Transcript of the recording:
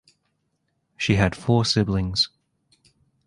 She had four siblings.